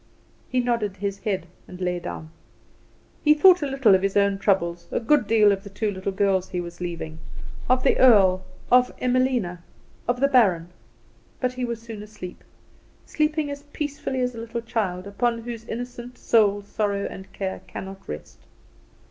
He nodded his head and lay down. He thought a little of his own troubles, a good deal of the two little girls he was leaving, of the earl, of Emilina, of the baron; but he was soon asleep sleeping as peacefully as a little child, upon whose innocent soul sorrow and care cannot rest.